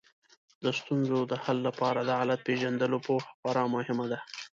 د ستونزو د حل لپاره د علت پېژندلو پوهه خورا مهمه ده